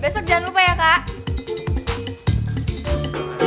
selamat tinggal kaldo